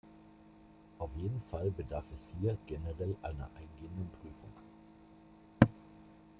Auf jeden Fall bedarf es hier generell einer eingehenden Prüfung.